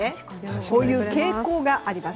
そういう傾向があります。